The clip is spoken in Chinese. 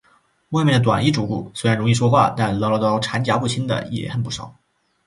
外面的短衣主顾，虽然容易说话，但唠唠叨叨缠夹不清的也很不少。